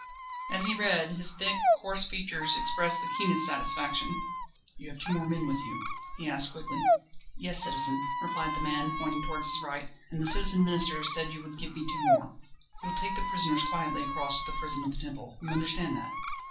As he read, his thick, coarse features expressed the keenest satisfaction. "You have two more men with you?" he asked quickly. "Yes, citizen," replied the man, pointing towards his right; "and the Citizen Minister said you would give me two more." "You'll take the prisoners quietly across to the Prison of the Temple you understand that?"